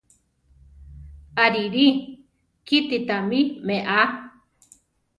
Arirí! kíti tamí meʼá!